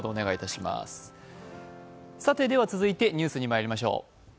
続いてニュースに参りましょう。